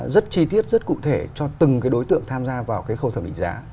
rất chi tiết rất cụ thể cho từng đối tượng tham gia vào khâu thẩm định giá